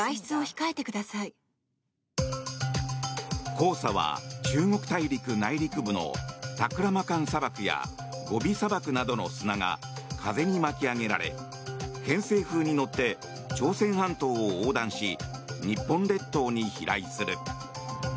黄砂は中国大陸内陸部のタクラマカン砂漠やゴビ砂漠などの砂が風に巻き上げられ偏西風に乗って朝鮮半島を横断し日本列島に飛来する。